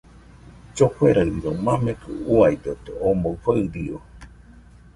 Llofueraɨño mamekɨ uiadote, omɨ farió